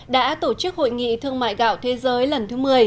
đã tổ chức hội nghị thương mại gạo thế giới lần thứ một mươi